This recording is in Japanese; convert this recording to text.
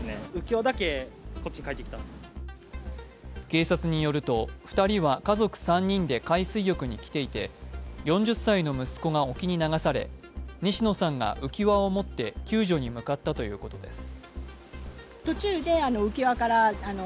警察によると２人は家族３人で海水浴に来ていて４０歳の息子が沖に流され西野さんが浮き輪を持って救助に向かったということです。